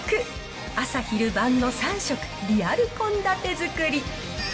朝、昼、晩の３食、リアル献立作り。